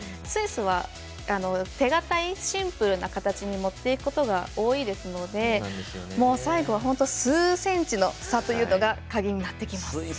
スイスは手堅いシンプルな形にもっていくことが多いですので最後は本当に数センチの差というのが鍵になってきます。